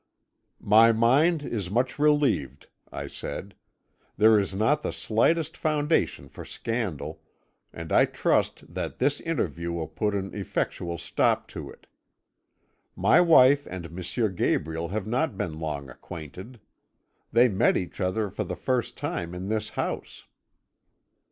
"'My mind is much relieved,' I said. 'There is not the slightest foundation for scandal, and I trust that this interview will put an effectual stop to it. My wife and M. Gabriel have not been long acquainted. They met each other for the first time in this house.'